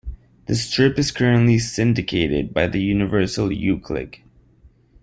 The strip is currently syndicated by Universal Uclick.